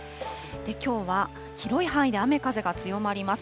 きょうは広い範囲で雨風が強まります。